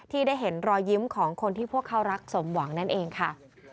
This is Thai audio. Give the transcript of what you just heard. ได้เห็นรอยยิ้มของคนที่พวกเขารักสมหวังนั่นเองค่ะ